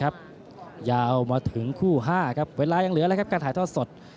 ครับยาวมาถึงคู่ห้าครับเวลายังเหลือแล้วครับการถ่ายท่อสด